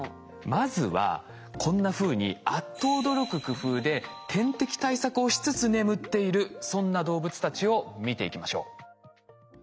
まずはこんなふうにあっと驚く工夫で天敵対策をしつつ眠っているそんな動物たちを見ていきましょう。